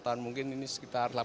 baru dapat ini sekali